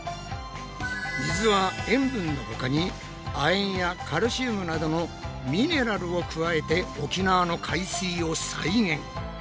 水は塩分の他に亜鉛やカルシウムなどのミネラルを加えて沖縄の海水を再現。